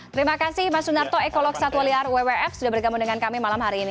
terima kasih mas sunarto ekolog satwa liar wwf sudah bergabung dengan kami malam hari ini